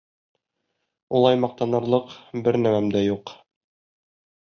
Улай маҡтанырлыҡ бер нәмәм дә юҡ.